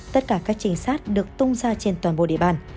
tất cả các trình sát được tung ra trên toàn bộ địa bàn